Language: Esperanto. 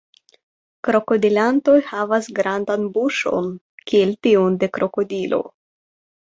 Krokodilantoj havas grandan buŝon kiel tiun de krokodilo.